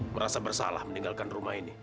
merasa bersalah meninggalkan rumah ini